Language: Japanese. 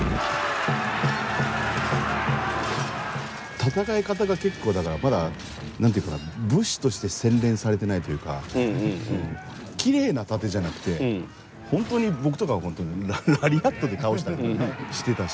戦い方が結構まだ何て言うかな武士として洗練されてないというかきれいな殺陣じゃなくて本当に僕とかラリアットで倒したりとかしてたし。